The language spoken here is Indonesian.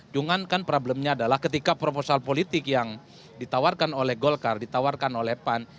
cuman kan problemnya adalah ketika proposal politik yang ditawarkan oleh golkar ditawarkan oleh pan